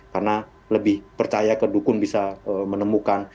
karena lebih percaya ke dukun bisa menemukan